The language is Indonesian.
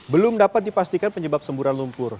belum dapat dipastikan penyebab semburan lumpur